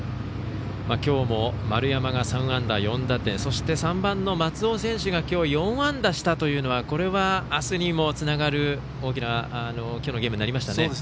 きょうも丸山が３安打４打点そして、３番の松尾選手がきょう４安打したというのはこれは、あすにもつながる大きなきょうのゲームになりましたね。